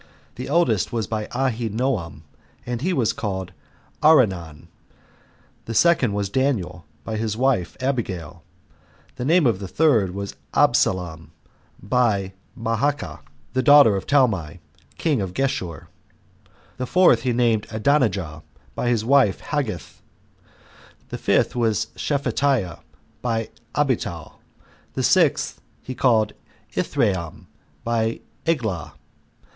The eldest was by Ahinoam, and he was called Arenon; the second was Daniel, by his wife Abigail; the name of the third was Absalom, by Maacah, the daughter of Talmai, king of Geshur; the fourth he named Adonijah, by his wife Haggith; the fifth was Shephatiah, by Abital; the sixth he called Ithream, by Eglah.